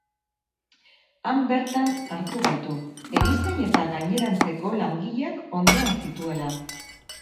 Han bertan hartu gaitu, erizain eta gainerantzeko langileak ondoan zituela.